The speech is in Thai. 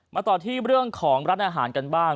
มาต่อที่เรื่องของร้านอาหารกันบ้าง